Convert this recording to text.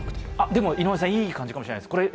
でも、井上さん、いい感じかもしれません。